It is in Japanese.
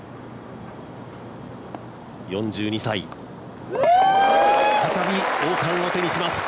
４２歳、再び王冠を手にします。